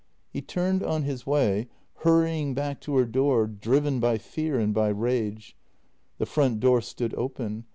He turned on his way, hurrying back to her door, driven by fear and by rage. The front door stood open.